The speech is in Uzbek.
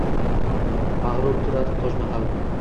Mag’rur turar Tojmahal…